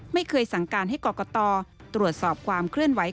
ไม่เคยสั่งการให้กรกตตรวจสอบความเคลื่อนไหว